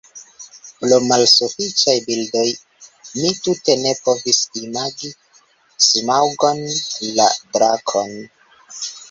Pro malsufiĉaj bildoj mi tute ne povis imagi Smaŭgon, la drakon.